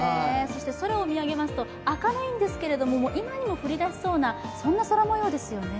そして空を見上げますと明るいんですけれども今にも降り出しそうな、そんな空もようですよね。